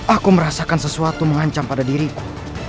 aku merasakan sesuatu mengancam pada diriku